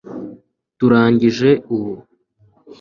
turangije ubu